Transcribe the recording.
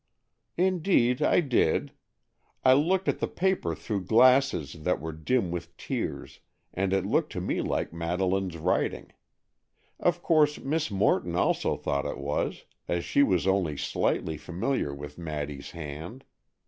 "Indeed I did; I looked at the paper through glasses that were dim with tears, and it looked to me like Madeleine's writing. Of course Miss Morton also thought it was, as she was only slightly familiar with Maddy's hand.